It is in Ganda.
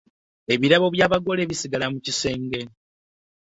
Ebirabo bya'bagole bisibire mu kisenge.